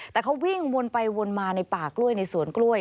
แต่เขาวิ่งวนไปวนมาในป่ากล้วยในสวนกล้วย